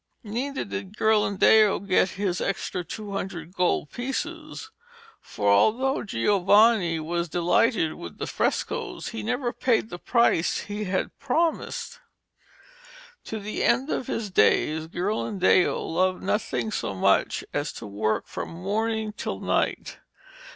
Neither did Ghirlandaio get his extra two hundred gold pieces, for although Giovanni was delighted with the frescoes he never paid the price he had promised. To the end of his days Ghirlandaio loved nothing so much as to work from morning till night.